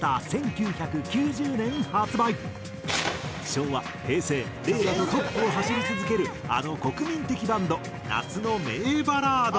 昭和平成令和のトップを走り続けるあの国民的バンド夏の名バラード。